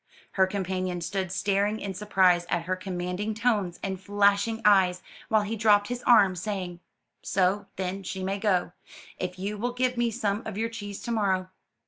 Her companion stood staring in surprise at her commanding tones and flashing eyes, while he dropped his arm, saying, ''So, then, she may go, if you will give me some of your cheese to morrow."